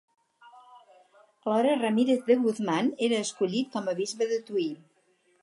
Alhora Ramírez de Guzmán era escollit com a bisbe de Tui.